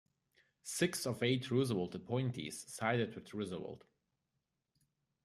Six of eight Roosevelt appointees sided with Roosevelt.